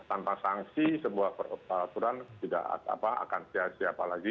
tanpa sanksi sebuah peraturan tidak akan siap siap lagi